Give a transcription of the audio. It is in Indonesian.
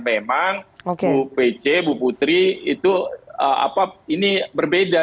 memang bu pc bu putri itu berbeda